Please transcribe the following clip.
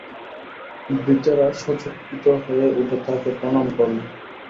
ভৃতেরা সচকিত হয়ে উঠে তাকে প্রণাম করলে।